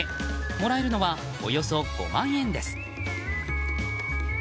もらえるのは、およそ５万円です。